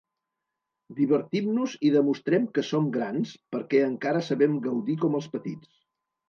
Divertim-nos i demostrem que som grans perquè encara sabem gaudir com els petits.